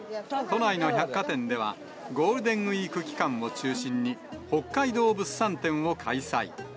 都内の百貨店では、ゴールデンウィーク期間を中心に、北海道物産展を開催。